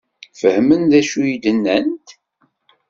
Fehmen d acu i d-nnant?